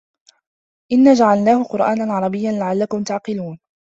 إِنّا جَعَلناهُ قُرآنًا عَرَبِيًّا لَعَلَّكُم تَعقِلونَ